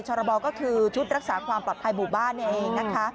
รบก็คือชุดรักษาความปลอดภัยหมู่บ้านเองนะคะ